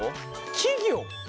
企業？